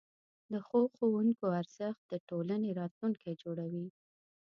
د ښو ښوونکو ارزښت د ټولنې راتلونکی جوړوي.